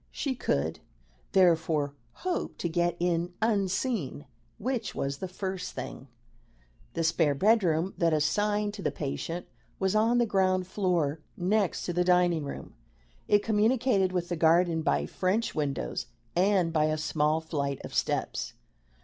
She could, therefore, hope to get in unseen, which was the first thing. The spare bedroom that assigned to the patient was on the ground floor next to the dining room; it communicated with the garden by French windows, and by a small flight of steps.